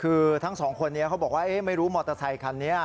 คือทั้งสองคนนี้เขาบอกว่าไม่รู้มอเตอร์ไซคันนี้